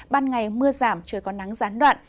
ban ngày mưa giảm chưa có nắng gián đoạn